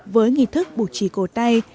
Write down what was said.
với nghị thức buộc chỉ cầu tay